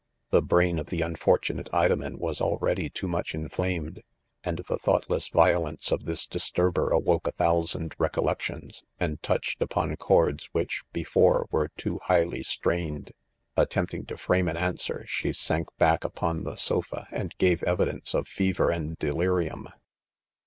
" The brain of the unfortunate Idomen was already too much inflamed j' and the thought less violence of this disturber awoke a thou sand recollections, and touched upon chords which, before, were too 'highly strainedo At tempting to frame an answer, she sank back upon the sofa, and gave evidence" of fever and delirium